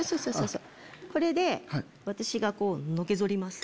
これで私がのけ反ります。